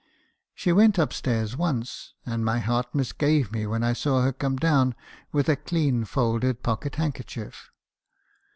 She went up stairs once, and my heart misgave me when I saw her come down with a clean folded pocket hand kerchief.